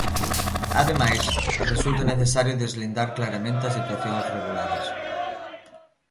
Ademais, resulta necesario deslindar claramente as situacións reguladas.